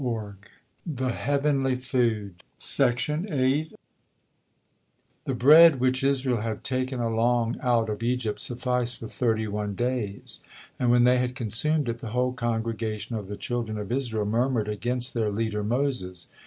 THE HEAVENLY FOOD The bread which Israel had taken along out of Egypt sufficed for thirty one days, and when they had consumed it, the whole congregation of the children of Israel murmured against their leader Moses.